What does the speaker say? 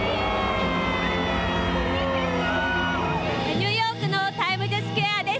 ニューヨークのタイムズスクエアです。